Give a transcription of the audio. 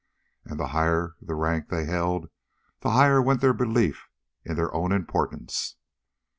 And the higher the rank they held, the higher went their belief in their own importance.